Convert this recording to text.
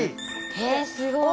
へえすごい。